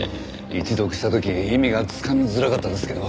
一読した時意味がつかみづらかったですけど